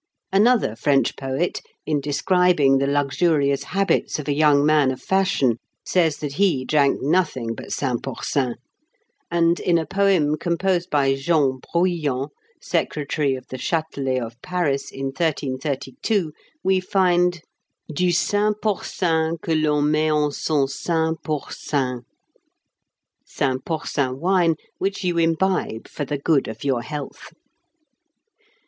Another French poet, in describing the luxurious habits of a young man of fashion, says that he drank nothing but Saint Pourçain; and in a poem composed by Jean Bruyant, secretary of the Châtelet of Paris, in 1332, we find "Du saint pourçain Que l'on met en son sein pour sain." ("Saint Pourçain wine, which you imbibe for the good of your health.")